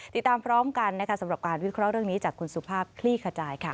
ติดตามพร้อมกันนะคะสำหรับการวิเคราะห์เรื่องนี้จากคุณสุภาพคลี่ขจายค่ะ